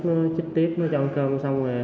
nó chích tiếp nó cho ăn cơm xong rồi